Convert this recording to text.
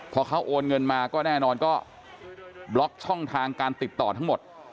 พอเขาโอนเงินมาก็แน่นอนก็บล็อกช่องทางการติดต่อทั้งหมด